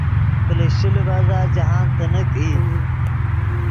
پلشچے لیڤزا جاہند تینیک ای